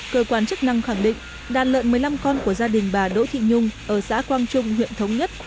cơ quan chức năng khẳng định đàn lợn một mươi năm con của gia đình bà đỗ thị nhung ở xã quang trung huyện thống nhất